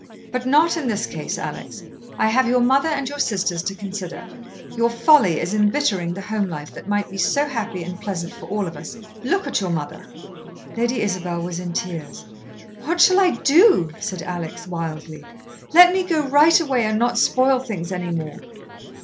"But not in this case, Alex. I have your mother and your sisters to consider. Your folly is embittering the home life that might be so happy and pleasant for all of us. Look at your mother!" Lady Isabel was in tears. "What shall I do?" said Alex wildly. "Let me go right away and not spoil things any more."